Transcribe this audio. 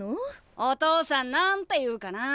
お父さん何て言うかな？